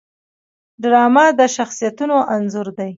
ډرامه د شخصیتونو انځور دی